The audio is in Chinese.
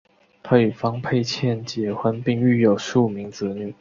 他与方佩倩结婚并育有数名子女。